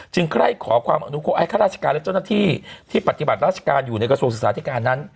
ใครขอความอนุเคราะห์ให้ข้าราชการและเจ้าหน้าที่ที่ปฏิบัติราชการอยู่ในกระทรวงศึกษาธิการนั้น